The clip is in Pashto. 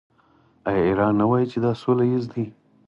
آیا ایران نه وايي چې دا سوله ییز دی؟